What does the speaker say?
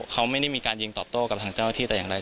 เขาไม่ได้มีการยิงตอบโต้กับทางเจ้าหน้าที่แต่อย่างไร